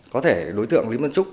có thể đối tượng lý văn chức